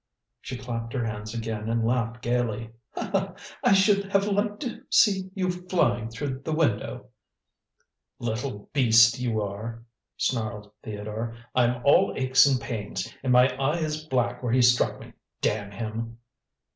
she clapped her hands again and laughed gaily. "I should have liked to see you flying through the window." "Little beast, you are," snarled Theodore. "I'm all aches and pains, and my eye is black where he struck me, damn him!"